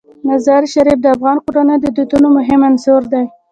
مزارشریف د افغان کورنیو د دودونو مهم عنصر دی.